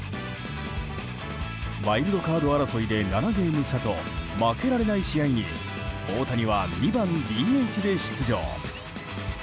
ワイルドカード争いで７ゲーム差と負けられない試合に大谷は、２番ＤＨで出場。